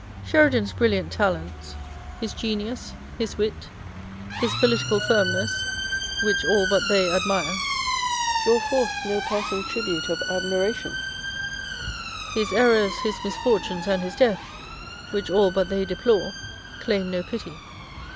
Sheridan's brilliant talents, his genius, his wit, his political firmness (which all but they admire) draw forth no passing tribute of admiration ; his errors, his misfortunes, and his death (which all but they deplore) claim no pity.